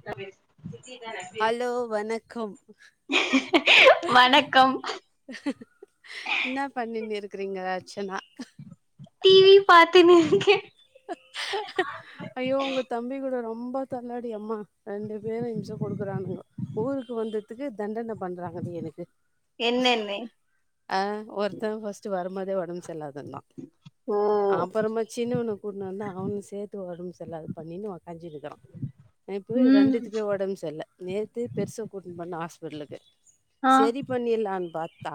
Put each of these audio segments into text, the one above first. என்ன பேச் சித்திதான பேசு ஹலோ வணக்கம் வணக்கம் இன்ன பண்ணின் இருக்றீங்க அச்சனா டி வி பாத்து னு இருக்கே ஐயோ உங்க தம்பி கூட ரொம்ப தள்ளாடி அம்மா ரெண்டு பேரு இம்ஷ கொடுக்குறானுங்க ஊருக்கு வந்ததுக்கு தண்டன பண்றாங்க எனுக்கு என்னன்னு ஆ ஒருத்த ஃபர்ஸ்ட் வரும்போதே ஒடம்பு சரில்லாதிந்தா ஓ அப்பறமா சின்னவனு ஒன்னுன்னா அவனு சேத்து ஒடம்பு சரியில்லாத பண்ணினு ஒக்காஞ்சுயிருக்கிறா இப்பு ம் ரெண்டுதிக்யு ஒ ஒடம்பு சரில்ல நேத்து பெருச கூட்டின் போனே ஹாஸ்பிட்லுக்கு ஆ செரிப் பண்ணிர்லான் பாத்தா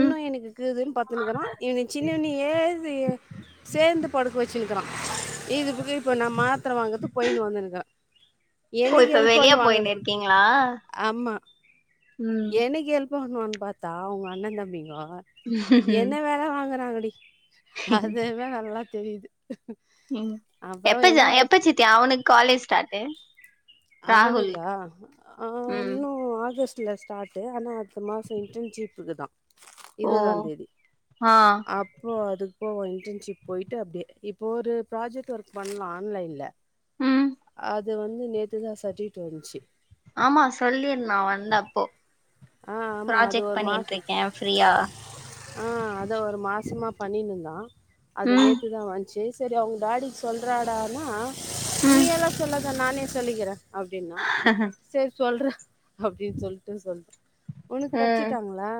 ம் எனக்கு கிதுன்னு பத்துன்னுக்கிறா இவன சின்ன அண்ணி ஏ சே சேர்ந்து இதுக்கு வச்சினுக்கிறா இது இப்புகு இப்ப நா மாத்திர வாங்கது போயினுவந்துனுக்கே ஓ எனிக்கு இப்ப ஹெல்ப் வெளிய பண்ணுவானுங் போயின்னு இருக்கீங்களா ஆமா ம் எனிக்கு ஹெல்ப் பண்ணுவாங்னு பாத்தா உங்க அண்ண தம்பிங்கோ என்ன வேல வாங்குறாங்கடி அதுதா நல்லா தெரியுது ம் அப்பறோ எப்ப எங்கங்க எப்பச்சித்தி அவனுக் காலேஜ் ஸ்டார்டு அவனுக்கா ஆ ம் இன்னு ஆகஸ் டுல ஸ்டார்டு ஆனா அடுத்த மாச இஜீஞ்ஜீப்புக்கு தா ஓ இருவதாந் தேதி ஆ அப்போ அது ஓ இன்டர்ன்ஷிப் போயிட்டு அப்டியே இப்போ ஒரு ப்ராஜெக்ட் ஒர்க் பண்ணா ஆன்லைன்ல ம் அது வந்து நேத்துதா சட்விட் வன்ச்சு ஆமா சொல்லிர்ந்தா வந்தப்போ ஆ ஆமா அது ப்ராஜெக்ட் ஒரு மாச பண்ணிட்ருக்கே ஃப்ரீயா ஆ அத ஒரு மாசமா பண்ணினுந்தா அது ம் நேத்துதா வன்ச்சு செரி அவுங் டாடிக் சொல்றாடானா ம் நீயெல்லா சொல்லாத நானே சொல்லிக்கிறே அப்டின்னா சேர் சொல்றா அப்டின் சொல்ட்டு சொல் உனுக் ம் கச்சிட்டாங்ளா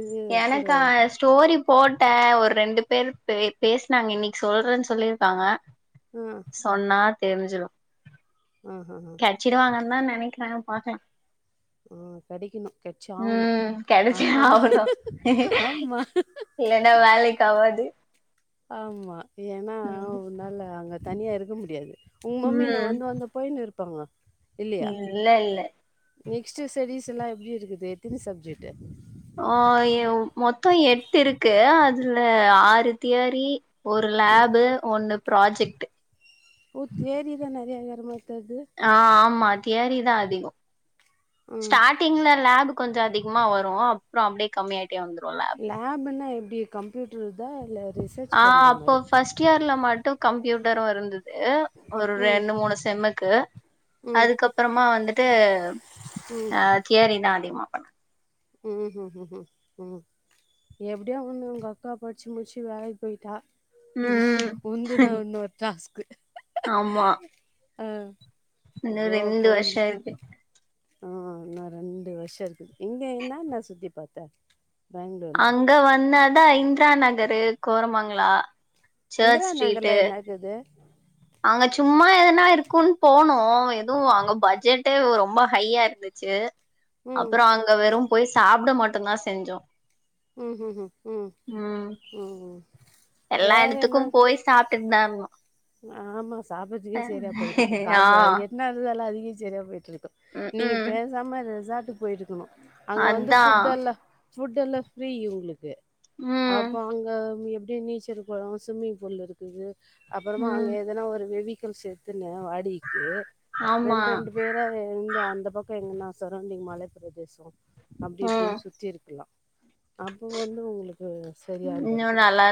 இது குடு எனக்கா ஸ்டோரி போட்டே ஒரு ரெண்டு பேர் பே பேச்னாங்க இன்னிக் சொல்ற சொல்லிர்க்காங்க ம் சொன்னா தெர்ஞ்சிரு ம் ம் கெட்ச்சிடு வாங்கன்தா நெனைக்கிற பாக்லா ஆ கெடைக்கிணு கெட்ச்சாவ்ணு ம் கெடச்சே அப்பதா ஆமா இல்லேனா வேலைக்காவாது ஆமா ஏனா ம் உன்னால அங்க தனியா இருக்க முடியாது உங் மம்மி நே ம் வந்து வந்த போய்னு இருப்பாங்க இல்ல இல்ல நெக்ஸ்டு ஸ்டெடிஸ் எல்லா எப்டி இருக்குது எத்தின சப்ஜெட்டு ஆ ஏ மொத்தோ எட்டிருக்கூ அதுல ஆறு தியேரி ஒரு லேபு ஒண்ணு ப்ராஜெக்டு ஓ தியேரிதா நெறையா இருக்குற மாரித் தெர்தூ ஆ ஆமா தியேரிதா அதிகோ ம் ஸ்டாட் டிங்ல லேபு கொஞ்சொ அதிகமா வரு அப்றோ அப்டியே கம்மியாய்ட்டே வந்துரு லேப் லேபுன்னா எப்டி கம்யூட்ருதா இல்ல அது ஆ அப்போ ஃபர்ஸ்ட் இயர்ல மட்டு கம்ப்யூட்டரு இருந்ததூ ஒரு ம் ரெண்டு மூணு செம்முக்கு ம் அதுக்கப் அப்றமா வந்துட்டூ ஆ தியேரினா அதிகமா பண்ண ம் ம் எப்டியோ ஒண்ணு உங்க அக்கா படிச்சி முடிச்சி வேலைக்கு பொய்ட்டா ம் உன்துதா இன்னொரு டாஸ்க்கு ஆமா ஆ இன்னு கோவா ரெண்டு வருஷ போய்னு இருக்கு ஆ இன்னு ரெண்டு வர்ஷோ இருக்கு இங்க என்னான சுத்தி பாத்த பேங்ளூர்ல இங்க ஒன்னாதா இந்த்ரா நகரூ கோரமங்களோ சர்ச் ஸ்ட்ரீட்டூ எதூ அங்க சும்மா எதனா இருக்குன் போனோ எதுவு அங்க பட்ஜெட்டே ரொம்ப ஹையா இருந்து ச்சு ம் அப்பறோ அங்க வெறும்போய் சாப்ட மட்டுந்தா செஞ்சோ ம் ம்ம் ம் ம் எல்லா வேற எடத்துக்கூம் என்ன போய் சாப்டுட்தா இருந்தோ ஆமா சாப்டதுக்கே சரியா போய்ட்டு இப்ப ஆ காசு வாங்கி என்ன இருந்தாலு அதுக்கே சரியா போயிட்ருக் ம் நீங்க ம் பேசாம ரெசார்டுக் போயிருக்கணு அங்க வந்து அதா ஃபுட் எல்லா ஃபுட்டெல்லா ஃப்ரீ இவுங்களுக்கு அப்போ ம் அவுங்க எப்டி நீச்சரு பறோ சும்மிங்ஃபூல் இருக்குது அப்பறமா அங்கே ம் எதனா ஒரு வெவிக்குல்ஸ்ஸு எடுத்துன்னு வாடிகைக்கு ஆமா ரெண்ட் ரெண்டு பேர் தா இருந்தா அந்த பக்கோ எங்கன்னா சரௌண்டிங் மலை பிரதேசோ அப்டி ம் இப்டின் சுத்தி இருக்கலா அப்போ வந்து உங்ளுக் கு சரியா இன்னு இருந்துருக்கு நல்லா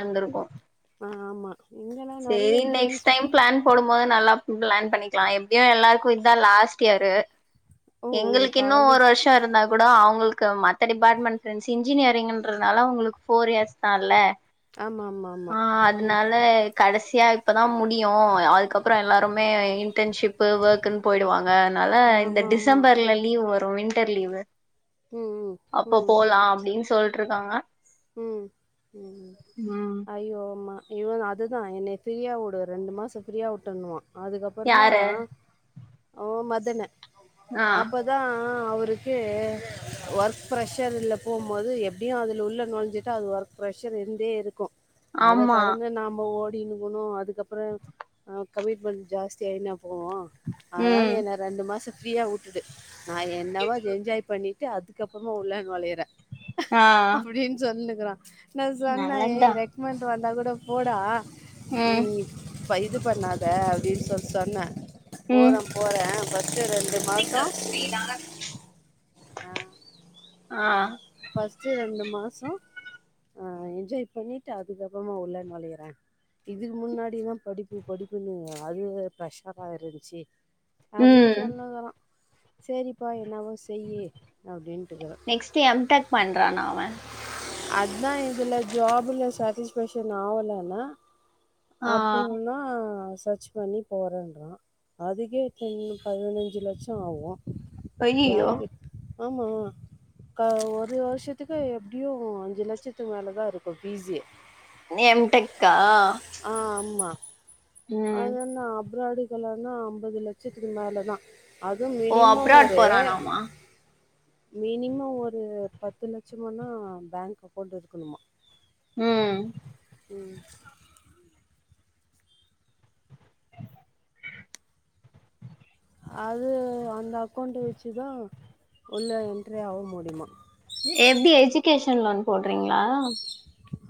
அ ஆமா இங்கன செரி நெக்ஸ்டைம் பிளான் போடும்போது நல்லா ஃபிளான் பண்ணிக்லா எப்டியு எல்லாருக்கூ இதா லாஸ்ட் இயரூ ஓ உங்க எங்களுக்கின்னூ ஒரு காலேஜ் வருஷோ இருந்தா குடோ அவுங்களுக்கு மத்த டிபார்ட்மெண்ட் ஃப்ரெண்ட்ஸ் இன்ஜினியரிங்குன்றதுனால அவங்களுக்கு ஃபோர் இயர்ஸ் தால்ல ஆமா ஆமா ஆமா ஆ ம் அதுனால கடைசியா இப்பொதா முடியூ அதுக்கப்றோ எல்லாருமே இன்டன்ஷிப்பு ஒர்க்குன் போய்டுவாங் ஆனால இந்த ஆமா ஆமா டிசம்பர்ல லீவ் வரு வின்டர் லீவு ம் ம் அப்போ ம் போலா அப்டின் சொல்ட்ருக்காங்க ம் ம் ம் ஐயோ ஓமா இவன் அதுதா என்னைய ஃப்ரீயாவுடு ரெண்டு மாசோ ஃப்ரீயா உட்டுர்ணுமா அதுக்கப்புறமா யாரு அவ மதனு ஆ அப்ப தா அவருக்கூ ஒர்க் ப்ரஷருல போம்போது எப்டியு அதுலுள்ள ஒழிஞ்சிட்டு அது ஒர்க் ப்ரஷர் இருந்தே இருக்கூ அத ஆமா கடந்து நாம ஓட் டீனு போனூ அதுக்கப்பறோ அ கமிட்மென்ட் ஜாஸ்தி ஆய்னே போனூ அதனால ம் என்ன ரெண்டு மாசோ ஃப்ரீயா உட்டுடு நா என்னவோ என்ஜாய் பண்ணிட்டு அதுக்கப்றமா உள்ளே நொழையிரே ஆஹ் அப்டின்னு சொல்லினுக்குறா நா சொன்னே நல்லத்தா ஏய் ரெக்மெண்ட் வந்தா கூூட போடா நீ ம் இது பண்ணாத அப்டின் சொல்லி சொன்ன போற ம் போற ஃபர்ஸ்ட் ரெண்டு மாச ஆ ஆ ஃபர்ஸ்ட் ரெண்டு மாச ஆ என்ஜாய் பண்ணிட்டு அதுக்கப்பறமா உள்ள நுழயிற இதுக்கு முன்னாடிதா படிப்பு படிப்புன்னு அதுவே பிரெஷரா இருந்ச்சு அப்டின்னு ம் சொன்னுக்குறா சரிப்பா என்னவோ செய் அப்டின்ட்டுக்கிற நெக்ஸ்ட் எம்டெக் பண்றானா அவ அதா இதுல ஜாப்ல சாட்டிஸபேக்ஷன் ஆவலன்னா ஆ அப்பட்னா சச் பண்ணி போறேன்றா அதுக்கே டென் பதினஞ்சு லட்ச ஆகு ஐயயோ யாருக்கு ஆமா க ஒரு வருஷத்துக்கு எப்டியு அஞ்சு லட்சத்துக்கு மேலதா இருக்கு ஃபிஸே நீ எம்டக்கா ஆ ஆமா அதுனா அப்ராடுகலன்னா ஐம்பது லட்சத்துக்கு மேல தா அது ஓ மினிமம் அப்ராட் ஒரு போறானாமா மினிமம் ஒரு பத்து லட்சமன்னா பேங்க் அக்கௌண்ட் இருக்கணுமா ம் ம் அது அந்த அக்கௌண்ட்டு வச்சுதா உள்ள என்ட்ரி ஆக முடியுமா எப்டி எஜுகேஷன் லோன் போடுறீங்ளா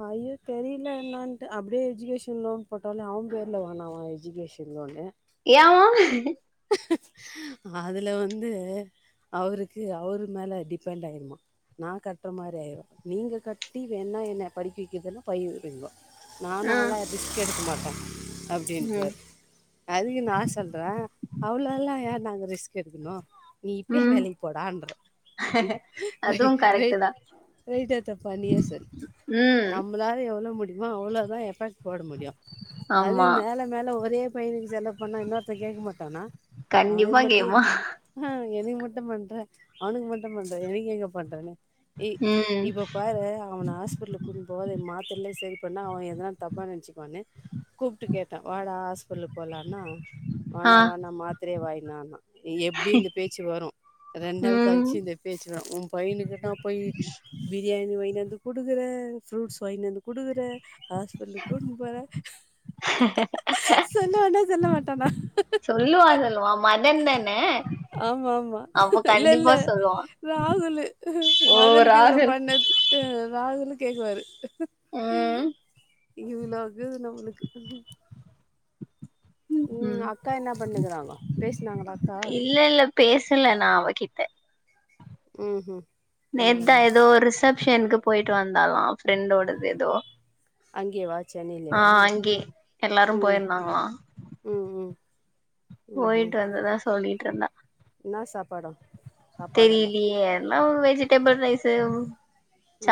ஐயோ தெரியல என்னான்ட்டு அப்டியே எஜுகேஷன் லோன் போட்டாலே அவன் பேருல வானாவா எஜுகேஷன் இன்னொன்னு ஏவா அதுல வந்து அவருக்கு அவரு மேல டிபெண்ட் ஆயிருமா நான் கட்டுற மாரி ஆய்ரு நீங்க கட்டி வேணா என்ன படிக்க வைக்கதுனா பயிடுங்கோ ஆ நானாலா ரிஸ்க் எடுக்க மாட்ட ம் அப்டின்றாரு அதுக்கு நா சொல்ற அவ்ளோல்லா ஏ நாங்க ரிஸ்க் எடுக்கணு நீ இப்பயே ம் வேலைக்கு போடான்ற அதுவு கரெக்ட் வெய்ட் தா வெய்ட் ஏத்த பண்ணியே செரி ம் நம்மளால எவ்ளோ முடியுமோ அவ்ளோதா எஃபெக்ட் போட முடியு ஆமா அதுக்கு மேல மேல ஒரே பயனுக்கு செலவு பண்ணா இன்னொருத்த கேக்க மாட்டானா கண்டிப்பா அவனுக் மட்டு கேப்பா ஆ எனக்கு மட்டு பண்ற அவனுக்கு மட்டு பண்ற எனக்கு எங்க பண்றனு ஏய் ம் இப்ப பாறே அவன ஹாஸ்பிட்டல் இட்டுனு போவாத மாத்திரலயே சரி பண்ணா அவன் எதனா தப்பா நெனச்சுக்குவான்னு கூப்ட்டு கேட்ட வாடா சொல்லு போலானா ஆ வானாவான மாத்ரயே வாங்கின்வானா எப்டியு இந்த பேச்சு வரு ரெண்டு நாள் ம் கழிச்சு இந்த பேச்சு வரு உன் பையனுகின்னா போயி பிரியாணி வாய்னுவந்து குடுக்குற ஃப்ரூட்ஸ் வாய்னுவந்து குடுக்குற ஹாஸ்பிடலு கூட்டுனு போற சொல்லுவானா சொல்ல மாட்டானா சொல்லுவா சொல்லுவா மதன் தான ஆமா ஆமா அப்ப இல்ல இல்ல கண்டிப்பா சொல்லுவா ராகுலு ஓ மதனுக்கு இவ்ள ராகுல் பண்ணது அ ராகுலு கேக்குவாரு ம் இவ்ளோகுது நம்மளுக்கு ம் அக்கா என்ன பண்ணிக்கறாங்கோ பேசினாங்ளா அக்கா இல்ல இல்ல பேசல நா அவகிட்ட ம் ம் நேத் தா எதோ ரிசப்ஷன்க்கு போயிட்டு வந்தர்லாம் ஃப்ரெண்டோட எதோ அங்கேவா ஆ அங்கே எல்லாரு ம். போயிருந்தாங்ளா ம் ம் ம்ஹ்ம். போயிட்டு வந்தத சொல்லிட்டு இருந்தா என்னா சாப்பாடா? சாப்பாடெல்லாம்? தெரியிலியே இல்ல ஒரு வெஜிடபிள் ரைஸு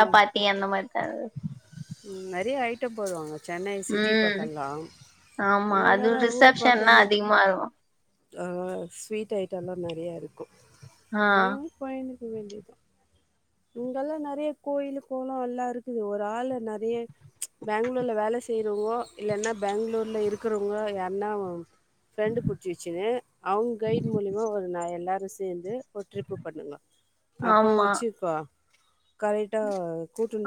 ம். அந்த மாரி தா ம் நெறைய ஐட்டம் போடுவாங்க சென்னை சிட்டி ம் பக்கல்லாம் ஆமா இங்க அது தா ஊர் ரிசப்ஷன்னா பக்கந்தா அதிகமா இருக்கு அ ஸ்வீட் ஐட்டம்ல்லா நெறையா இருக்கு ஆ அது தா பயணிக்க வேண்டியத்தா இங்கல்லா நெறைய கோயிலு கோளோ எல்லா இருக்குது ஒரு ஆளு நெறைய பேங்களூர்ல வேல செய்யறவங்கோ இல்லன்னா பேங்களூர்ல இருக்கிறவங்கோ யார்னா ஃப்ரெண்டு் புடிச்சி வெச்சுன்னு அவுங் கைட் மூலிமா ஒரு நயன் லேக்ஸ் சேந்து ஒரு ட்ரிப்பு பண்ணுங்கோ அப்போ ஆமா வெச்சுக்கோ கரெட்டா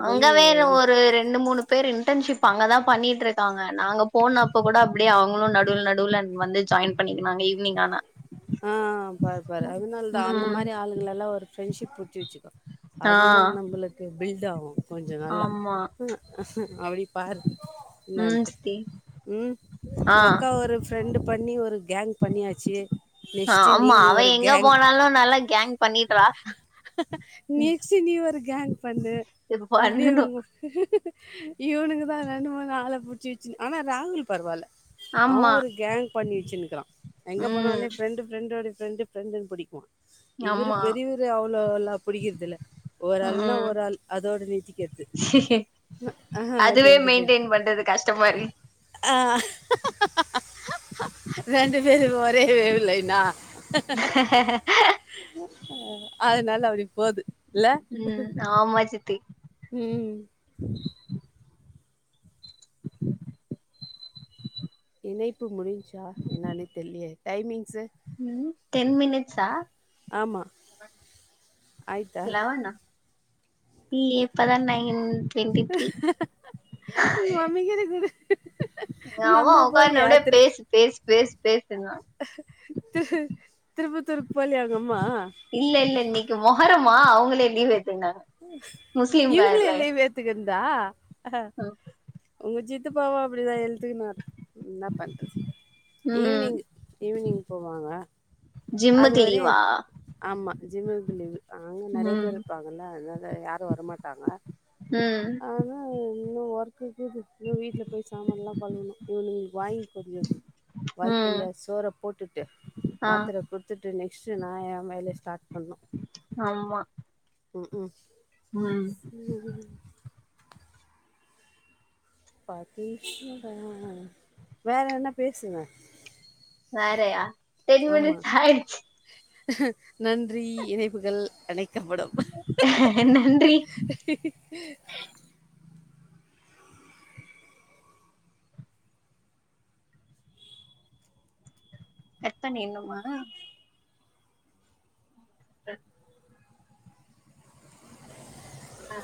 அவுங்க வேற ஒரு ரெண்டு மூணு பேர் இன்டர்ன்ஷிப் அங்கே தா பண்ணிட்ருக்காங்க நாங்க போனப்போ கூட அப்டியே அவுங்களு நடுவ்ல நடுவ்ல வந்து ஜாயின் பண்ணிகினாங்க ஆ பாரு பாரு அதனால தா அந்த ம் மாரி ஆளுகல்லா ஒரு ஃப்ரெண்ஷிப் ச்சிக்கோ ஆ அதுதா நம்பளுக்கு பில்ட் ஆகு கொஞ்சோ நல்லா ஆமா அ அப்டி பாரு ம் என்னான்ட்டு சித்தி ம் ஆ உங்கக்கா ஒரு ஃப்ரெண்டு பண்ணி ஒரு கேங் பண்ணியாச்சி நெக்ஸ்ட்டு ஆமா நீங்க அவ ஒரு எங்க கேங் போனாலு நல்லா கேங் பண்ணிட்றா நெக்ஸ்ட்டு நீ ஒரு கேங் பண்ணு இப்ப அப்டியே பண்ணணு உங்க இவனுக தா ரெண்டு மூணு ஆள புடிச்சி வெச்சினு ஆனா ராகுல் பரவால்ல அவ ஆமா ஒரு கேங் பண்ணி வெச்சின் இருக்குறா எங்க ம் போனாலே ஃப்ரெண்டு் ஃப்ரெண்டோடைய ஃப்ரெண்டு் ஃரெண்டுன் புடிப்பா இவுரு ஆமா பெரியவரு அவ்ளோ எல்லா புடிக்கிறதுதில்ல ஒரு ஆள்ன்னா ம் ஒரு ஆள் அதோட நீர்திக்குறது அதுவே போய் மெயின்டெயின் பண்றது கஷ்டமா இரு ஆ ரெண்டு பேரு ஒரே வேவு லைன்னா அதனால அப்டி போது இல்ல ம் ஆமா சித்தி ம் இணைப்பு முடிஞ்சா என்னானே தெர்லியே டைமிங்ஸு ம் டென் மினிட்ஸா ஆமா ஆயிட்டா லெவனா இல்லியே இப்பதா நைன் டுவென்டி த்ரீ மிகுரு குடு உங்க அவ அம்மா உக்காந்து போலியா அப்டியே திரு பேசு பேசு பேசு பேசுன்றா திருப்பத்தூருக்கு போலியா உங்கம்மா இல்லெல்ல இன்னைக்கு மொகரமா அவுங்களே லீவ் எட்த்துகினாங்க இவுங்களே லீவு எட்த்துகின்தா ம் உங்க சித்தப்பாவு அப்டிதா எழ்த்துக்கினாரு என்ன பண்றது ம் ஈவ்னிங் ஈவ்னிங் போவாங்க ஜிம்முக்கு லீவா ஆமா ஜிம்முக்கு லீவு அங்க நறைய ம் பேர் இருப்பாங்கல்ல அதனால யாரு வரமாட்டாங்க ம் ஆனா [unintelligible] வீட்ல போய் சாமான்லா கழுவனு இவ்னுக் வாய்ன் கொஞ்சொ ம் வய்த்துல சோற போட்டுட்டு ஆ மாத்திர கு த்துட்டு நெக்ஸ்ட்டு நா எ வேலய ஸ்டார்ட் பண்ணு ஆமா ம் உம் ம் ம் பசிக்கிதா வேற என்ன பேசுங்க வேறயா டென் ஆமா மினிட்ஸ்ஸாய்டுச்சு நன்றி இணைப்புகள் அணைக்கபடும் நன்றி ஹீஹ்ஹி எத்தன இன்னுமா [inaudible] ஆ